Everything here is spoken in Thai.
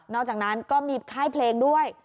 อกจากนั้นก็มีค่ายเพลงด้วย